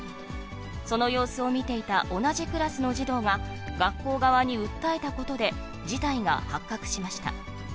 その様子を見ていた同じクラスの児童が学校側に訴えたことで事態が発覚しました。